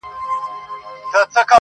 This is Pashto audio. اولادونه مي له لوږي قتل کېږي،